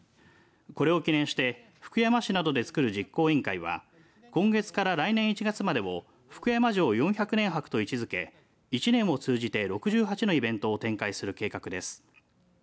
これを記念して福山市などで作る実行委員会は今月から来年１月までを福山城４００年博と位置づけ１年を通じて６８のイベントを展開する計画です。